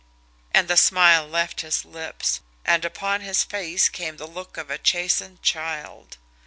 And the smile left his lips, and upon his face came the look of a chastened child.